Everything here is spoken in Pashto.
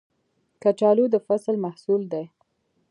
کچالو د فصل محصول دی